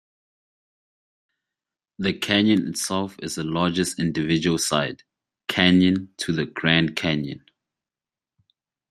The canyon itself is the largest individual side-canyon to the Grand Canyon.